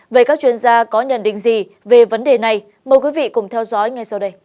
vậy các chuyên gia có nhận định gì về vấn đề này mời quý vị cùng theo dõi ngay sau đây